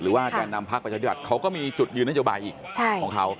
หรือว่าแกนำพรรคประชาธิบัติเค้าก็มีจุดยืนนัยเจาะบายอีกของเค้า